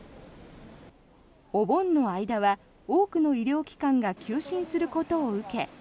お盆の間は多くの医療機関が休診することを受け